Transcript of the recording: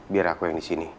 biar aku yang di sini